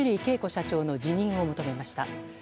社長の辞任を求めました。